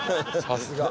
さすが。